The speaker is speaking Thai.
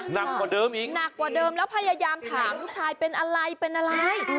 หนักกว่าเดิมอีกหนักกว่าเดิมแล้วพยายามถามลูกชายเป็นอะไรเป็นอะไร